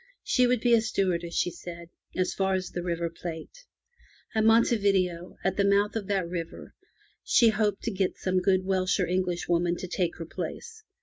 She would be a stewardess, she said, as far as the River Plate. At Monte Video, at the mouth of that river, she hoped to get some good Welsh or English woman to take her place.